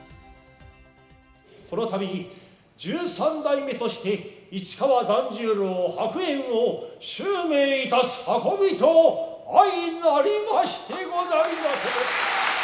この度十三代目として市川團十郎白猿を襲名いたす運びと相成りましてござりまする。